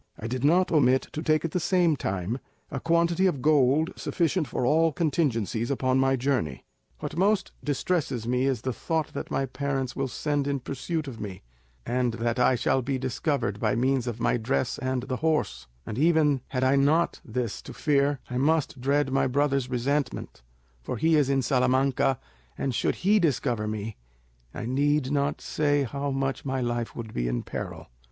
I did not omit to take at the same time a quantity of gold sufficient for all contingencies upon my journey. What most distresses me is the thought that my parents will send in pursuit of me, and that I shall be discovered by means of my dress and the horse; and even had I not this to fear, I must dread my brother's resentment; for he is in Salamanca, and should he discover me, I need not say how much my life would be in peril.